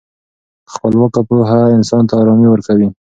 خپلواکه پوهه انسان ته ارامي ورکوي.